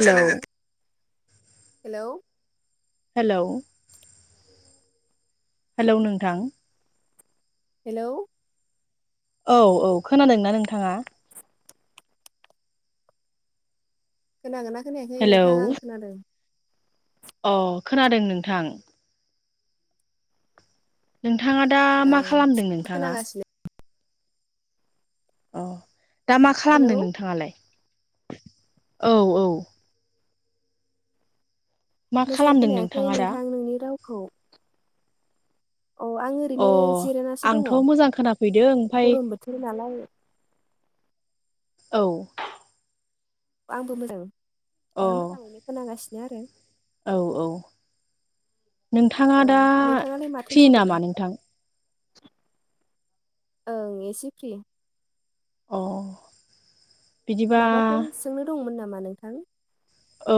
Hello hello hello hello नोंथां hello औ औ खोनादोंना नोंथाङा? खोनागोनना खोनायाखै हेलौ नोंथाङा आं खोनादों अ खोनादों नोंथां नोंथाङा दा ओ मा खालामदों नोंथाङा? खोनागासिनो अ दा मा हेलौ खालामदों नोंथाङालाय औ औ मा मोजां खालामदों खोनायाखै नोंथाङा दा? नोंथां नोंनि रावखौ औ आं अ ओरैनो जिरायनासो दङ आंथ' मोजां खोनाफैदों ओमफाय गरम बोथोर नालाय [inaudible] औ आंबो मोजां दा अ मोजाङैनो खोनांगासिनो आरो औ औ नोंथाङा औ दा नोंथाङालाय माथो फ्रि मावदों नामा नोंथां? ओं एसे फ्रि अ बिदिबा माबाफोर सोंनो दंमोन नामा नोंथां?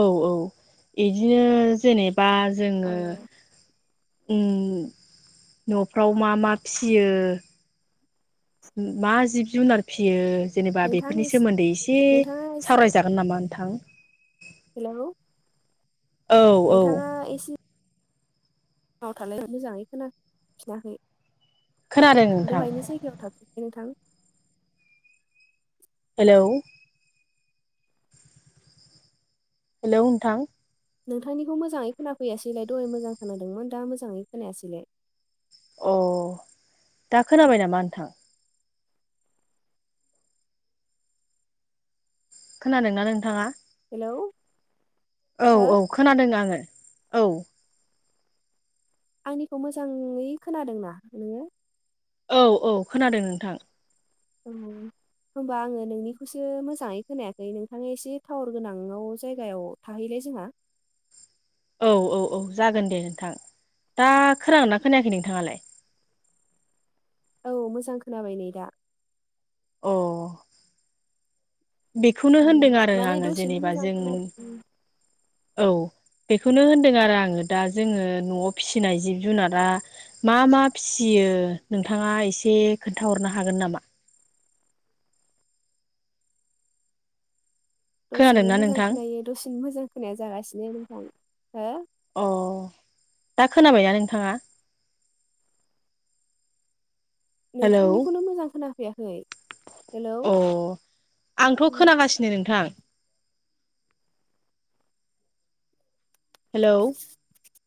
औ औ बिदिनो जेनेबा औ जोङो न'फ्राव मा मा फिसियो? मा जिब जुनार फियो जेनेबा नोंथां बेफोरनि एसे सोमोन्दै एसे नोंथाङा एसे सावरायजागोन नामा नोंथां? हेलौ औ औ नोंथाङा एसे [unintelligible] थालाय मोजाङै खोनाफिनाखै खोनादों नोंथां दहायनि जायगायाव थाफिनलाय नोंथां हेलौ हेलौ नोंथां नोंथांनिखौ मोजाङै खोनाफैयासैलाय दहाय मोजां खोनादोंमोन दा मोजाङै खोनायासैलाय अ दा खोनाबाय नामा नोंथां? खोनादोंना नोंथाङा हेलौ औ हो औ खोनादों आङो औ आंनिखौ मोजाङै खोनादोंना नोङो? औ औ खोनादों नोंथां औ होमबा आङो नोंनिखौसो मोजाङै खोनायाखै नोंथाङा एसे टावार गोनाङाव जायगायाव थाहैलाय जोंहा औ औ औ जागोन दे नोंथां दा खोनागोना खोनायाखै नोंथाङालाय? औ मोजां खोनाबाय नै दा अ बेखौनो उम, होनदों आरो माने आङो दसेनो जेनेबा मोजां जों खोना उम, औ बेखौनो होनदों आरो आङो दा जोङो न'आव फिसिनाय जिब जुनारा मा मा फिसि यो नोंथाङा एसे खोन्थाहरनो हागोन नामा? दसेनो खोनादोंना मोजां नोंथां? खोनायो दसेनो मोजां खोनाया जागासिनो नोंथां हो [inaudible] अ दा खोनाबायना नोंथाङा हेलौ नोंथांनिखौनो मोजां खोनाफैयाखै हेलौ अ आंथ' उम। खोनागासिनो नोंथां हेलौ